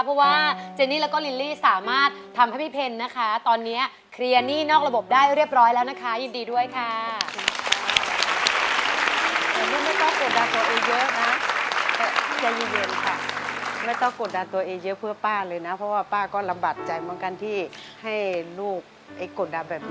เพราะว่าป้าก็ลำบัดใจเหมือนกันที่ให้ลูกไอ้กดดันแบบนี้